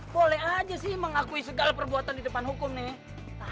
boleh aja sih mengakui segala perbuatan di depan hukum nih